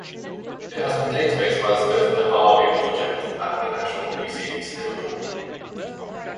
It has been databased by the Smith Herbarium Project at the National Museums Liverpool.